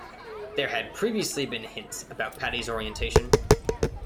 There had previously been hints about Patty's orientation.